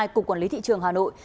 cục quản lý thị trường hà nội